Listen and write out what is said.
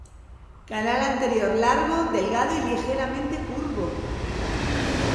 Canal anterior largo, delgado y ligeramente curvo.